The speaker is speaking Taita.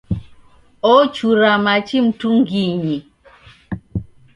Ochura machi mtunginyi